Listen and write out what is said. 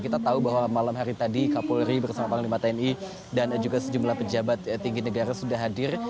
kita tahu bahwa malam hari tadi kapolri bersama panglima tni dan juga sejumlah pejabat tinggi negara sudah hadir